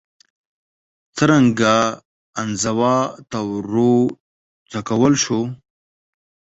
څرنګه انزوا ته وروڅکول شو